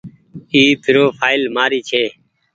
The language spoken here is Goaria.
اي پروڦآئل مآري ڇي۔